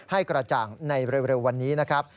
ให้กระจ่างในเร็ววันนี้นะครับ